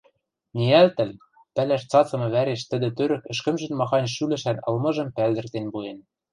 ниӓлтӹл, пӓлӓш цацымы вӓреш тӹдӹ тӧрӧк ӹшкӹмжӹн махань шӱлӹшӓн ылмыжым пӓлдӹртен пуэн.